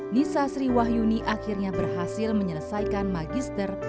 nisa sriwahyuni akhirnya berhasil menyelesaikan magister